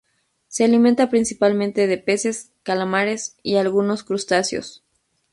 Se alimenta principalmente de peces, calamares y algunos crustáceos.